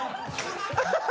ハハハ